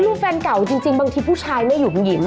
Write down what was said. ลูกแฟนเก่าจริงบางทีผู้ชายไม่อยู่ผู้หญิง